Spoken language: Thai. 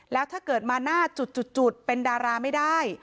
แล้วถ้าเกิดมาหน้าจุดเป็นดาราไม่ได้